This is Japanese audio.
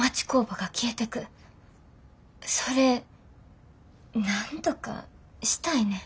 それなんとかしたいねん。